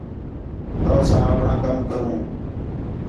تؤ ساں اپݨاں کَم کروں